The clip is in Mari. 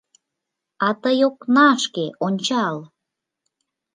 — А тый окнашке ончал!